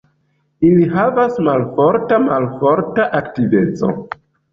Ili havas malforta malforta aktiveco.